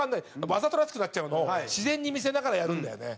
わざとらしくなっちゃうのを自然に見せながらやるんだよね。